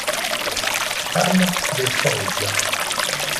Carmo de Souza